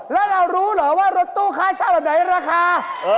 แล้วเรารู้เหรอว่ารถตู้ค่าเช่าแบบไหนราคา